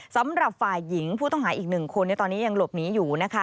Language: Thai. สำหรับฝ่ายหญิงผู้ต้องหาอีก๑คนตอนนี้ยังหลบหนีอยู่นะคะ